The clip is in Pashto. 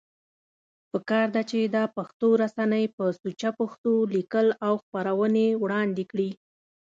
پکار ده چې دا پښتو رسنۍ په سوچه پښتو ليکل او خپرونې وړاندی کړي